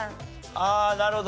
ああなるほど。